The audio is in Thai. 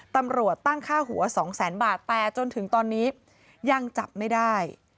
ตำรวจตั้งค่าหัวสองแสนบาทแต่จนถึงตอนนี้ยังจับไม่ได้